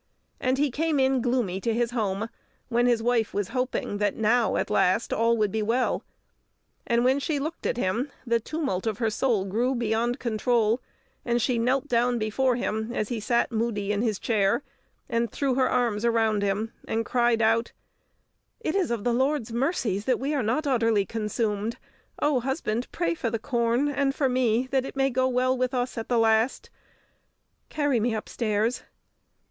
And he came in gloomy to his home, when his wife was hoping that now, at last, all would be well; and when she looked at him the tumult of her soul grew beyond control, and she knelt down before him as he sat moody in his chair, and threw her arms round him, and cried out: "It is of the Lord's mercies that we are not utterly consumed. Oh, husband! pray for the corn and for me, that it may go well with us at the last! Carry me upstairs!"